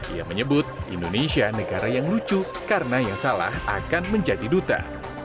ia menyebut indonesia negara yang lucu karena yang salah akan menjadi duta